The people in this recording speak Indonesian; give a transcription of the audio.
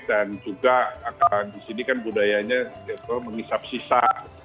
dan juga di sini kan budayanya mengisap sisa